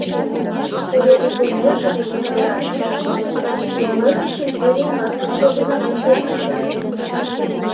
Тудо утлынеже, кораҥеш, но мый дечем пӧръеҥат куштылгынак утлен ок керт.